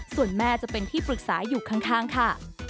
ส่วนแม่จะเป็นที่ปรึกษาอยู่ข้างค่ะ